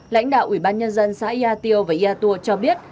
lãnh đạo ủy ban nhân dân xã yatio và yatuo cho biết